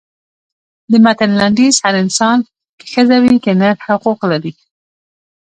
د متن لنډیز هر انسان که ښځه وي که نر حقوق لري.